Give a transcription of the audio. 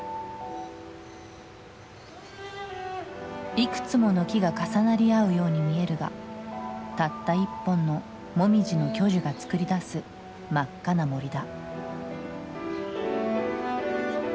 いくつもの木が重なり合うように見えるがたった一本のモミジの巨樹が作り出す真っ赤な森だ。